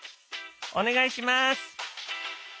お願いします！